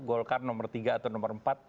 golkar nomor tiga atau nomor empat